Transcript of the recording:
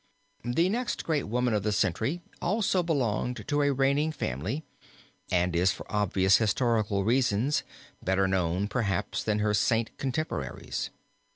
The next great woman of the century also belonged to a reigning family and is for obvious historical reasons better known, perhaps, than her Saint contemporaries.